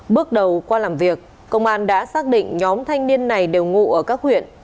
bước đầu qua làm việc công an đã xác định nhóm thanh niên này đều ngụ ở các huyện